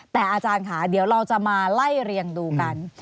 แต่อาจารย์ค่ะเดี๋ยวเราจะมาไล่เรียงดูกัน